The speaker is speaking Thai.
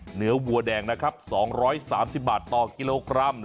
เหนือวัวแดงนะครับ๒๓๐บาทต่อกิโลกรัม